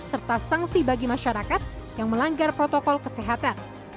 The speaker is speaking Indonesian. serta sanksi bagi masyarakat yang melanggar protokol kesehatan